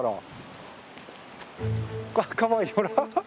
かわいいほら。